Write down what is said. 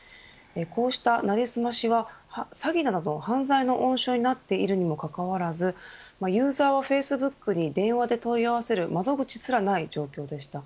こうした成り済ましは詐欺など犯罪の温床になっているにもかかわらずユーザーがフェイスブックに電話で問い合わせる窓口すらない状況でした。